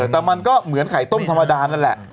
แต่มันก็เหมือนไข่ต้มธรรมดานั่นแหละ